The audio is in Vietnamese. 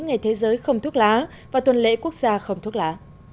ngày thế giới không thuốc lá và tuần lễ quốc gia không thuốc lá